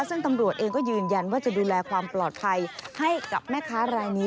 ซึ่งตำรวจเองก็ยืนยันว่าจะดูแลความปลอดภัยให้กับแม่ค้ารายนี้